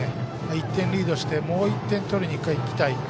１点リードしてもう１点、取りに行きたい。